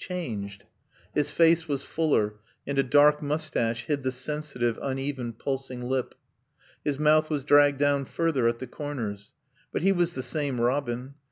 Changed. His face was fuller, and a dark moustache hid the sensitive, uneven, pulsing lip. His mouth was dragged down further at the corners. But he was the same Robin.